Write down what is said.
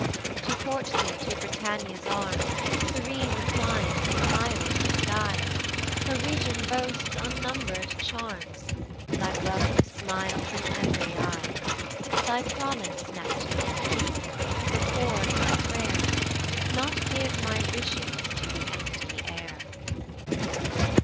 To court thee to Britannia's arms Serene the climes and mild the sky, Her region boasts unnumber'd charms, Thy welcome smiles in ev'ry eye. Thy promise, Neptune keep, record my pray'r, Not give my wishes to the empty air.